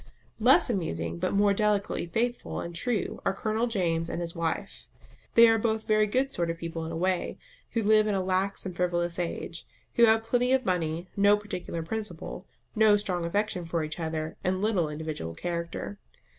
Less amusing but more delicately faithful and true are Colonel James and his wife. They are both very good sort of people in a way, who live in a lax and frivolous age, who have plenty of money, no particular principle, no strong affection for each other, and little individual character.